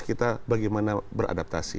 kita bagaimana beradaptasi